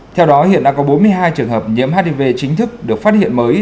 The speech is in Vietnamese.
theo đó hiện đã có bốn mươi hai trường hợp nhiễm hiv chính thức được phát hiện mới